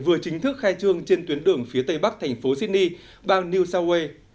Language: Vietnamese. vừa chính thức khai trương trên tuyến đường phía tây bắc thành phố sydney bang new south wales